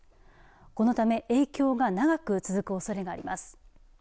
このため、影響が長く続くおそれがあります。